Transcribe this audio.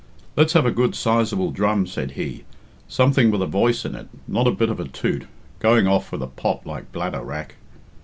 "Let's have a good sizable drum," said he; "something with a voice in it, not a bit of a toot, going off with a pop like bladder wrack."